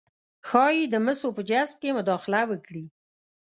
ښايي د مسو په جذب کې مداخله وکړي